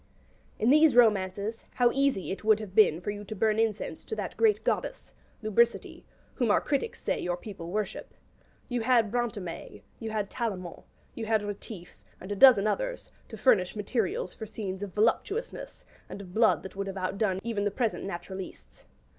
In these romances how easy it would have been for you to burn incense to that great goddess, Lubricity, whom our critic says your people worship. You had Branto'me, you had Tallemant, you had Rétif, and a dozen others, to furnish materials for scenes of voluptuousness and of blood that would have outdone even the present naturalistes.